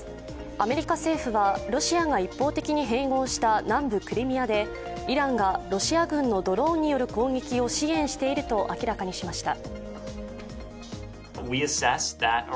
アメリカ政府はロシアが一方的に併合した南部クリミアでイランがロシア軍のドローンによる攻撃を支援していると明らかにしました。